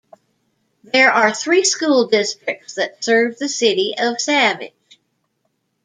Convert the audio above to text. There are three school districts that serve the city of Savage.